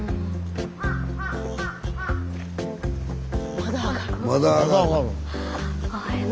まだ上がるの。